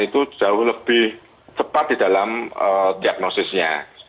itu jauh lebih cepat di dalam diagnosisnya